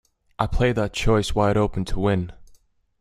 I play that choice wide open to win.